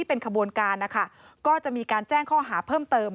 เป็นขบวนการนะคะก็จะมีการแจ้งข้อหาเพิ่มเติม